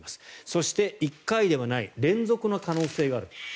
そして、１回ではない連続の可能性がある。